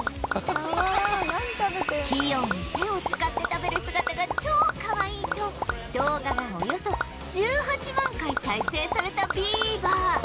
器用に手を使って食べる姿が超かわいいと動画がおよそ１８万回再生されたビーバー